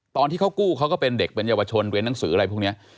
ตอนที่เขากู้เขาก็เป็นเด็กเป็นเยาวชนเรียนหนังสืออะไรพวกนี้